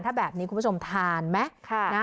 ถ้าแบบนี้คุณผู้ชมทานไหม